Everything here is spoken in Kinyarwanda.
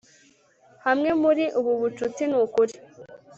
Hamwe muri ubu bucuti nukuri